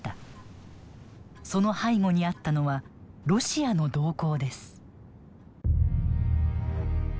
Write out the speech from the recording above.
その背後にあったのはロシアの動向です。